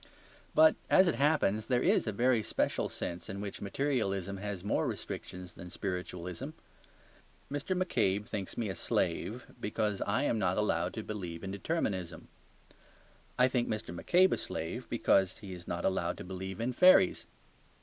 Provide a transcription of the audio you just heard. But as it happens, there is a very special sense in which materialism has more restrictions than spiritualism. Mr. McCabe thinks me a slave because I am not allowed to believe in determinism. I think Mr. McCabe a slave because he is not allowed to believe in fairies.